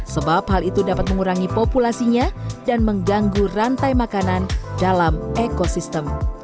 sebab hal itu dapat mengurangi populasinya dan mengganggu rantai makanan dalam ekosistem